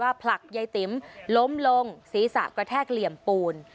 ว่าผลักใยติ๋มล้มลงสรีสากระแทกเหลี่ยมปูน